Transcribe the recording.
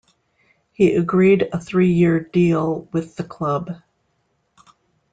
He agreed a three-year deal with the club.